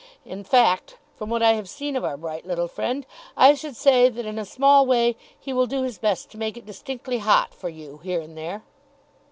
In fact, from what I have seen of our bright little friend, I should say that, in a small way, he will do his best to make it distinctly hot for you, here and there."